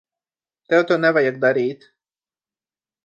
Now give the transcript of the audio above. Tev to nevajag darīt.